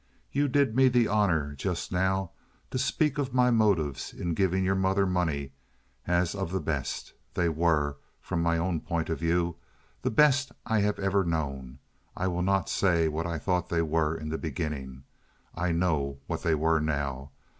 You did me the honor just now to speak of my motives ingiving your mother money as of the best. They were—from my own point of view—the best I have ever known. I will not say what I thought they were in the beginning. I know what they were now.